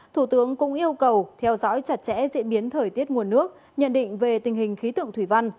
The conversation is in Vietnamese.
thủ tướng cũng yêu cầu theo dõi chặt chẽ diễn biến thời tiết nguồn nước nhận định về tình hình khí tượng thủy văn